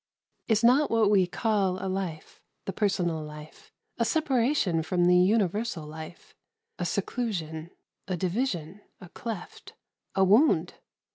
Is not what we call a life the personal life a separation from the universal life, a seclusion, a division, a cleft, a wound?